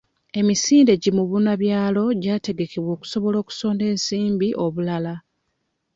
Emisinde gi mubunabyalo gyategekeddwa okusobola okusonda ensimbi obulala.